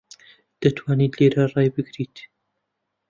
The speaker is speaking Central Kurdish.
دەتوانیت لێرە ڕای بگریت؟